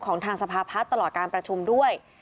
ทางสภาพัฒน์ตลอดการประชุมด้วย